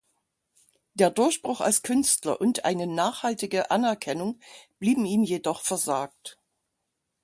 Der Durchbruch als Künstler und eine nachhaltige Anerkennung blieben ihm jedoch versagt.